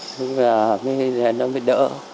nhưng mà nó mới đỡ